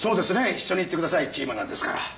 一緒に行ってくださいチームなんですから。